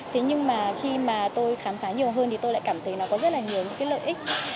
thế nhưng mà khi mà tôi khám phá nhiều hơn thì tôi lại cảm thấy nó có rất là nhiều những cái lợi ích